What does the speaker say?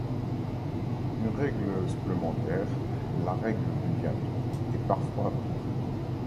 Une règle supplémentaire, la règle du gâteau, est parfois appliquée.